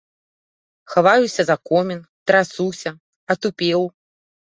Хаваюся за комін, трасуся, атупеў.